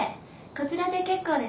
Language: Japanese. こちらで結構です。